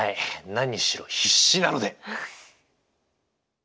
何しろ必死なので！